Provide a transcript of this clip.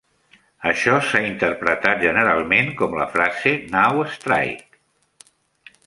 Això s'ha interpretat generalment com la frase "Now Strike".